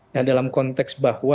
nah dalam konteks bahwa